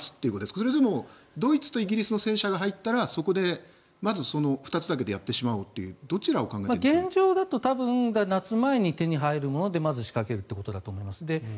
それとも、ドイツとイギリスの戦車が入ったらそこでまず、その２つだけでやってしまおうという現状だと夏前に手に入るものでまず仕掛けると。